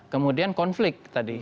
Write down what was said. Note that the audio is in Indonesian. kemudian konflik tadi